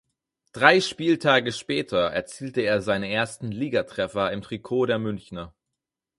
Drei Spieltage später erzielte er seinen ersten Ligatreffer im Trikot der Münchner.